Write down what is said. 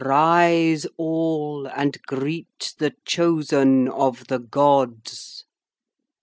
'Rise, all, and greet the Chosen of the Gods.'